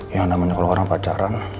yang namanya kalau orang pacaran